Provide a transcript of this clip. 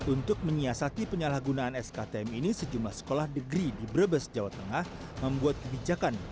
untuk menyiasati penyalahgunaan sktm ini sejumlah sekolah negeri di brebes jawa tengah membuat kebijakan